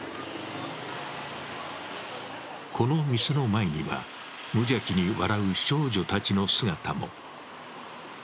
この店の前には無邪気に笑う少女たちの姿も。